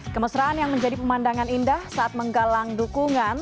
kemesraan yang menjadi pemandangan indah saat menggalang dukungan